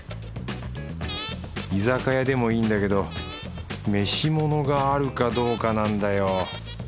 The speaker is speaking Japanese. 居酒屋でもいいんだけど飯ものがあるかどうかなんだよ。